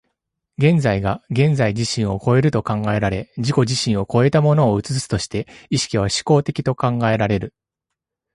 現在が現在自身を越えると考えられ、自己自身を越えたものを映すとして、意識は志向的と考えられる。